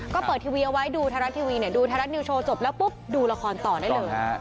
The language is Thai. ก็เปิดทีวีเอาไว้ดูไทยรัฐทีวีเนี่ยดูไทยรัฐนิวโชว์จบแล้วปุ๊บดูละครต่อได้เลย